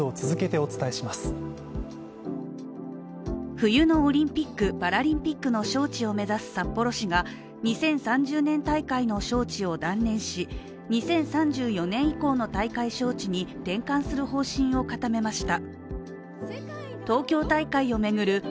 冬のオリンピック・パラリンピックの招致を目指す札幌市が２０３０年大会の招致を断念し２０３４年以降の大会招致に支持を広げることは困難と判断しました。